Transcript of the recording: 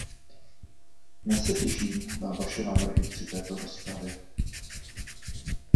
Dnes se těším na vaše návrhy při této rozpravě.